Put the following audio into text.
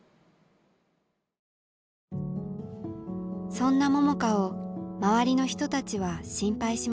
そんな桃佳を周りの人たちは心配しました。